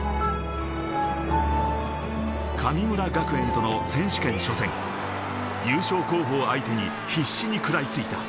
神村学園との選手権初戦、優勝候補を相手に、必死に食らいついた。